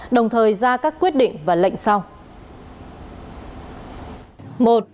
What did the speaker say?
đồng thời ra các quyết định và lệnh sau